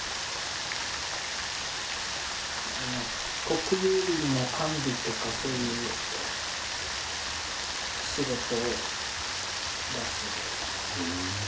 国有林の管理とかそういう仕事らしいです。